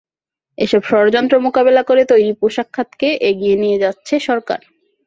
এসব ষড়যন্ত্র মোকাবিলা করে তৈরি পোশাক খাতকে এগিয়ে নিয়ে যাচ্ছে সরকার।